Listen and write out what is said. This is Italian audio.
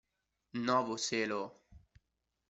Novo Selo